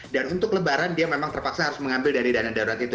dan untuk lebaran dia memang terpaksa harus mengambil dari dana darurat itu